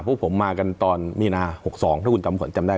พวกผมมากันตอนมีนา๖๒ถ้าคุณจำขวัญจำได้